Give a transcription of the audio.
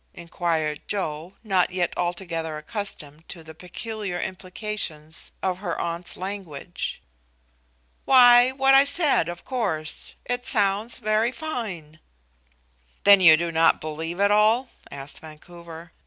inquired Joe, not yet altogether accustomed to the peculiar implications of her aunt's language. "Why, what I said, of course; it sounds very fine." "Then you do not believe it all?" asked Vancouver.